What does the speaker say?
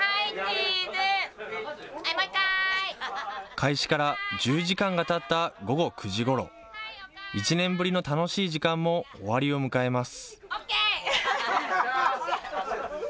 開始から１０時間がたった午後９時ごろ、１年ぶりの楽しい時間も終わりを迎えます。